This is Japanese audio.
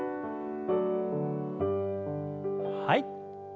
はい。